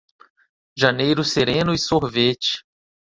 Janeiro sereno e sorvete.